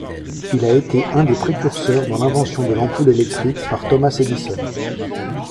Il a été un des précurseurs dans l'invention de l'ampoule électrique par Thomas Edison.